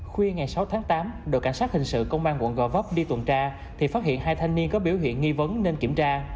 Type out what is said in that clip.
khuya ngày sáu tháng tám đội cảnh sát hình sự công an quận gò vấp đi tuần tra thì phát hiện hai thanh niên có biểu hiện nghi vấn nên kiểm tra